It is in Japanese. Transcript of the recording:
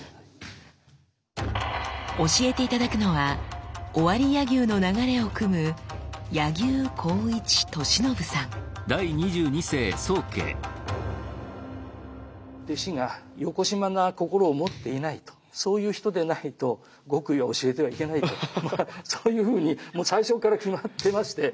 教えて頂くのは尾張柳生の流れをくむ弟子がよこしまな心を持っていないとそういう人でないと極意を教えてはいけないとまあそういうふうにもう最初から決まってまして。